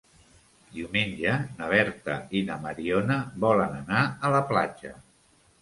Diumenge na Berta i na Mariona volen anar a la platja.